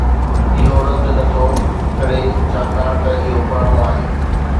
اهو رد نٿو ڪري ڇاڪاڻ ته اهو پراڻو آهي